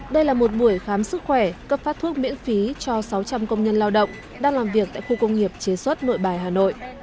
đây là một buổi khám sức khỏe cấp phát thuốc miễn phí cho sáu trăm linh công nhân lao động đang làm việc tại khu công nghiệp chế xuất nội bài hà nội